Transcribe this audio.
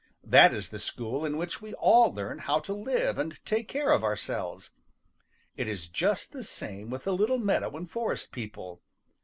That is the school in which we all learn how to live and take care of ourselves. It is just the same with the little meadow and forest people.